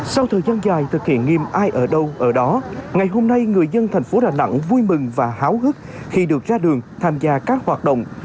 sau thời gian dài thực hiện nghiêm ai ở đâu ở đó ngày hôm nay người dân thành phố đà nẵng vui mừng và háo hức khi được ra đường tham gia các hoạt động